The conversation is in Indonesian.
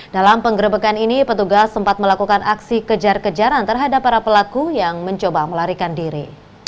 dalam penggerebekan ini petugas sempat melakukan aksi kejar kejaran terhadap para pelaku yang mencoba melarikan diri